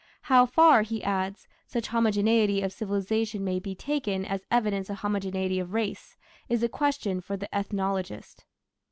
How far", he adds, "such homogeneity of civilization may be taken as evidence of homogeneity of race is a question for the ethnologist."